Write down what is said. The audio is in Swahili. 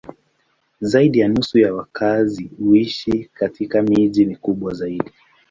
Zaidi ya nusu ya wakazi huishi katika miji mikubwa zaidi.